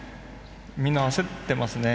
みんな焦ってますね。